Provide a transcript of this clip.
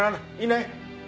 いいね？